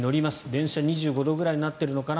電車は２５度ぐらいになってるのかな